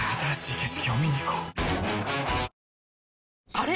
あれ？